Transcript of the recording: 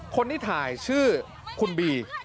คนที่ถ่ายชื่อคุณบี